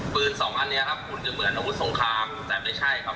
สองอันนี้ครับคุณจะเหมือนอาวุธสงครามแต่ไม่ใช่ครับ